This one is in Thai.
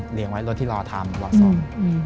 เรียงไว้รถที่รอทำวาซอม